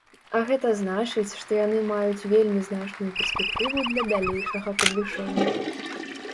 А гэта значыць, што яны маюць вельмі значную перспектыву для далейшага падвышэння.